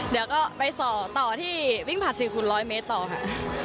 เดี๋ยวก็ไปต่อที่วิ่งผ่าน๔ขุน๑๐๐เมตรต่อค่ะ